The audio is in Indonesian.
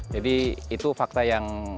jadi itu fakta yang agak beda